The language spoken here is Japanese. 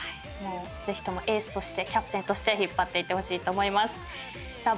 ぜひともエースとしてキャプテンとして引っ張っていってほしいと思います。